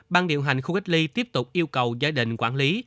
ban điều hành khu cách ly tiếp tục yêu cầu gia đình quản lý